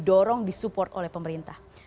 dan didorong disupport oleh pemerintah